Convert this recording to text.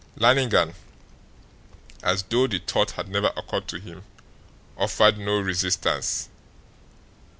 Lannigan, as though the thought had never occurred to him, offered no resistance.